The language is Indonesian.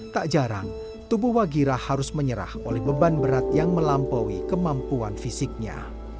tak jarang tubuh wagira harus menyerah oleh beban berat yang melampaui kemampuan fisiknya